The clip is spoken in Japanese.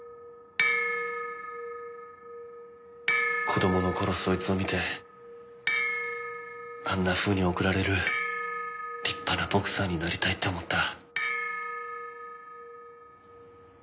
子供の頃そいつを見てあんなふうに送られる立派なボクサーになりたいって思った。